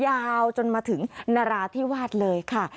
ยาวจนมาถึงนราธิวาสเลยค่ะ